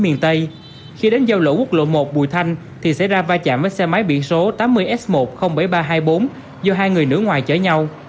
miền tây khi đến giao lộ quốc lộ một bùi thanh thì xảy ra va chạm với xe máy biển số tám mươi s một trăm linh bảy nghìn ba trăm hai mươi bốn do hai người nước ngoài chở nhau